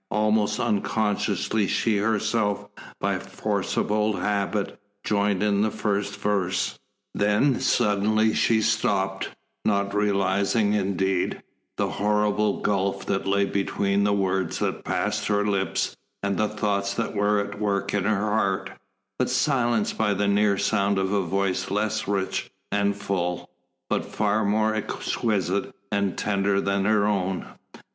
Almost unconsciously she herself, by force of old habit, joined in the first verse. Then, suddenly, she stopped, not realising, indeed, the horrible gulf that lay between the words that passed her lips, and the thoughts that were at work in her heart, but silenced by the near sound of a voice less rich and full, but far more exquisite and tender than her own.